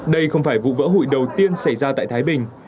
đây không phải vụ vỡ hụi đầu tiên xảy ra tại thái bình